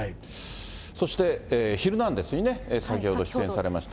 そしてヒルナンデス！にね、先ほど出演されました。